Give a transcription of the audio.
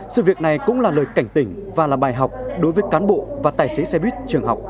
sự việc này cũng là lời cảnh tỉnh và là bài học đối với cán bộ và tài xế xe buýt trường học